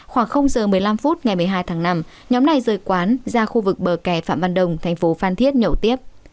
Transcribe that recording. khoảng giờ một mươi năm phút ngày một mươi hai tháng năm nhóm này rời quán ra khu vực bờ kẻ phạm văn đồng thành phố phan thiết nhậu tiếp